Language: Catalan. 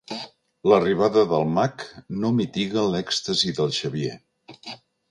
L'arribada del mag no mitiga l'èxtasi del Xavier.